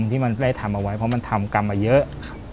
ที่มันได้ทำเอาไว้เพราะมันทำกรรมมาเยอะ